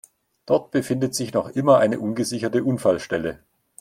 Dort befindet sich noch immer eine ungesicherte Unfallstelle.